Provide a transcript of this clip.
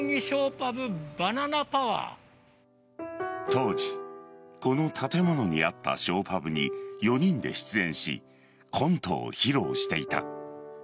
当時この建物にあったショーパブに４人で出演しコントを披露していた。